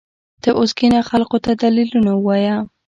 ته اوس کښېنه خلقو ته دليلونه ووايه.